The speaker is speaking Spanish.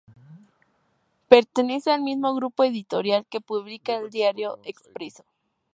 Pertenece al mismo grupo editorial que publica del Diario "Expreso".